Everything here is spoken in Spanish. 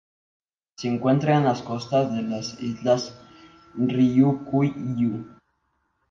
Se encuentra en las costas de las Islas Ryukyu.